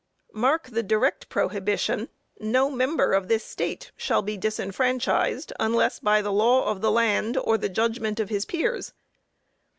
Mark the direct prohibition: "No member of this State shall be disfranchised, unless by the 'law of the land,' or the judgment of his peers."